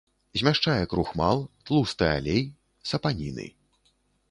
Змяшчае крухмал, тлусты алей, сапаніны.